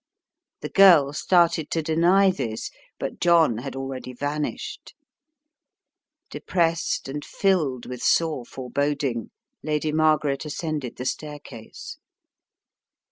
The girl started to deny this, but John had already vanished. Depressed and filled with sore forebod ing, Lady Margaret ascended the staircase.